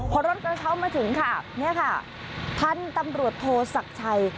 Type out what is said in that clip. พอรถกระเช้ามาถึงค่ะนี่ค่ะพันธุ์ตำรวจโทษศักดิ์ชัย